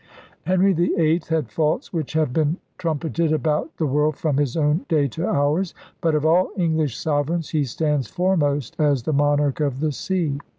Henry VIII had faults which have been trum peted about the world from his own day to ours. But of all English sovereigns he stands foremost as the monarch of the sea.